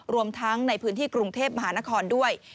รวมทั้งในพื้นที่กรุงเทพมหานครด้วย